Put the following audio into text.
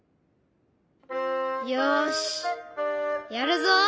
よしやるぞ。